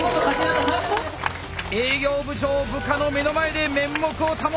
営業部長部下の目の前で面目を保った！